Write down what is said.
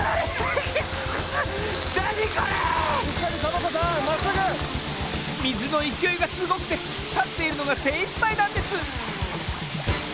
みずのいきおいがすごくてたっているのがせいいっぱいなんです。